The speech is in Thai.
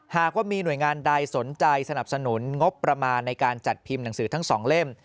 หากว่ามีหน่วยงานใดสนใจสนับสนุนงบประมาณในการจัดพิมพ์หนังสือทั้งสองเล่ม